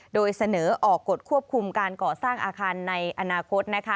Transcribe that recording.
โดยเสนอออกกฎควบคุมการก่อสร้างอาคารในอนาคต